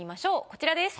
こちらです。